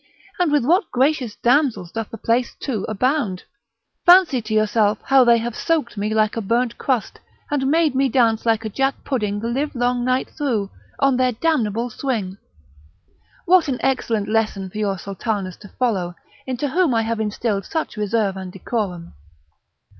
And with what gracious damsels doth the place, too, abound! Fancy to yourself how they have soaked me like a burnt crust, and made me dance like a jack pudding the live long night through, on their damnable swing! What an excellent lesson for your sultanas to follow, into whom I have instilled such reserve and decorum!"